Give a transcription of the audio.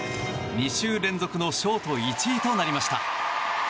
２週連続のショート１位となりました。